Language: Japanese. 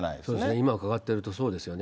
今、伺っているとそうですよね。